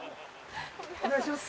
お願いします。